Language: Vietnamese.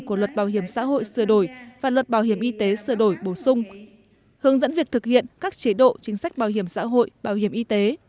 của luật bảo hiểm xã hội sửa đổi và luật bảo hiểm y tế sửa đổi bổ sung hướng dẫn việc thực hiện các chế độ chính sách bảo hiểm xã hội bảo hiểm y tế